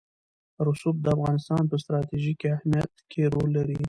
رسوب د افغانستان په ستراتیژیک اهمیت کې رول لري.